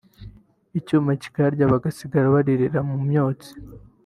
icyuma kikayarya bagasigara baririra mu myotsi